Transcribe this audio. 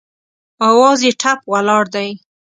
اواز یې ټپ ولاړ دی